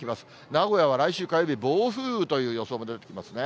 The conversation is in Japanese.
名古屋は来週火曜日、暴風雨という予想も出てきますね。